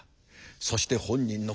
そして本人の確信